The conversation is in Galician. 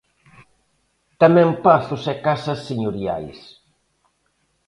Tamén pazos e casas señoriais.